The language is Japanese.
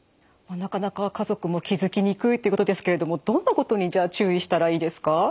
なかなか家族も気付きにくいということですけれどもどんなことにじゃあ注意したらいいですか？